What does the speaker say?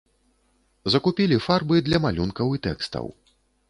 Закупілі фарбы для малюнкаў і тэкстаў.